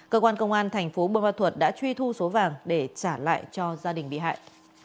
cơ quan công an thành phố bơ ma thuật đã truy thu số vàng để trả lại cho gia đình bị hại